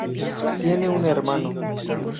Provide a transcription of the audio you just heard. Tiene un hermano.